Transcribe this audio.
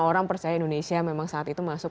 orang percaya indonesia memang saat itu masuk